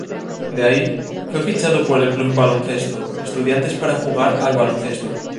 De ahí, fue fichado por el Club Baloncesto Estudiantes para jugar al baloncesto.